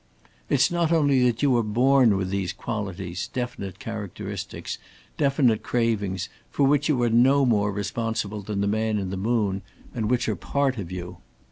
"It's not only that you are born with qualities, definite characteristics, definite cravings, for which you are no more responsible than the man in the moon, and which are part of you.